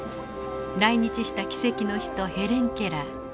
来日した奇跡の人ヘレン・ケラー。